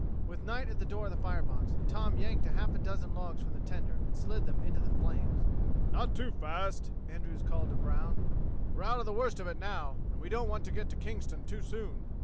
With Knight at the door of the fire box, Tom yanked a half dozen logs from the tender and slid them into the flames. "Not too fast," Andrews called to Brown. "We're out of the worst of it now, and we don't want to get to Kingston too soon.